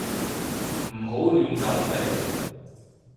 唔好亂咁嚟